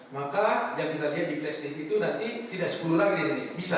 maka yang kita lihat di flash disk itu nanti tidak sepuluh lagi di sini bisa